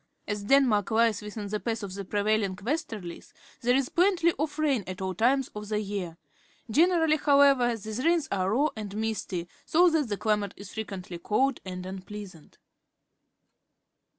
As Denmark lies within the path of the prevailing westerUes, there is plenty of rain at all times of the year. Generally, however, these rains are raw and misty, so that the cUmate is frequently cold jind unpleasant.